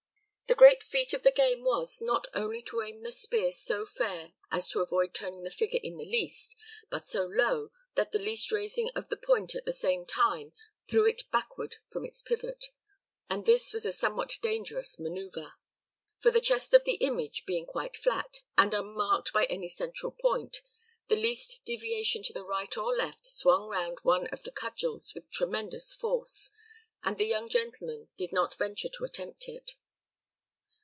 The great feat of the game was, not only to aim the spear so fair as to avoid turning the figure in the least, but so low that the least raising of the point at the same time threw it backward from its pivot. But this was a somewhat dangerous man[oe]uvre; for the chest of the image being quite flat, and unmarked by any central point, the least deviation to the right or left swung round one of the cudgels with tremendous force, and the young gentleman did not venture to attempt it.